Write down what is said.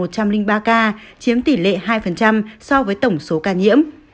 chiếm tỷ lệ hai so với tổng số ca nhiễm